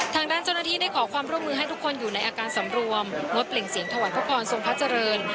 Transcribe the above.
ทางด้านเจ้าหน้าที่ได้ขอความร่วมมือให้ทุกคนอยู่ในอาการสำรวมงดเปล่งเสียงถวายพระพรทรงพระเจริญ